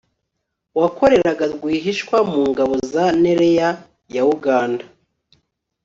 wakoreraga rwihishwa mu ngabo za nra ya uganda